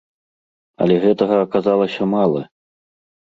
Але гэтага аказалася мала!